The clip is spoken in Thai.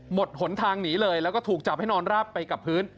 หนทางหนีเลยแล้วก็ถูกจับให้นอนราบไปกับพื้น